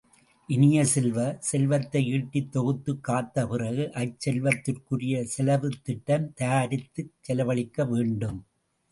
இனிய செல்வ, செல்வத்தை ஈட்டித் தொகுத்துக் காத்த பிறகு அச் செல்வத்திற்குரிய செலவுத் திட்டம் தயாரித்துச் செலவழிக்க வேண்டும்.